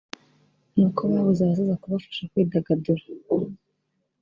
ni uko babuze abazaza kubafasha kwidagadura